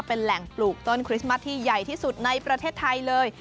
เป็นแหล่งปลูกต้นคริสต์มัสที่ใหญ่ที่สุดในประเทศไทยเลย